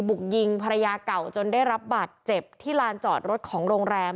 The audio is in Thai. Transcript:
บุกยิงภรรยาเก่าจนได้รับบาดเจ็บที่ลานจอดรถของโรงแรม